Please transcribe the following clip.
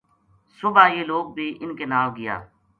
صبح یہ لوک بھی اِنھ کے نال گیا